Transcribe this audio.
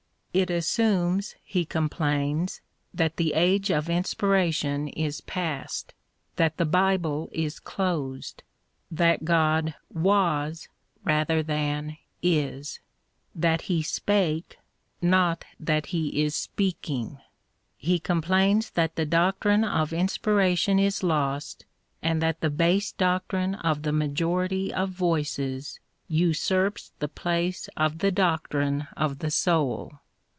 It assumes, he complains, that the age of inspiration is past ; that the Bible is closed ; that God " was " rather than " is "— that He " spake," not that He " is speaking." He com plains that the doctrine of inspiration is lost, and that the base doctrine of the majority of voices usurps the place of the doctrine of the soul.